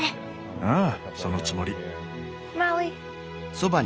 ああそのつもり。